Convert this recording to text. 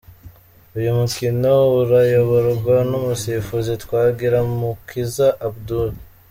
Uyu mukino urayoborwa n’umusifuzi Twagiramukiza Abdoul.